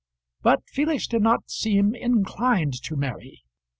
But Felix did not seem inclined to marry.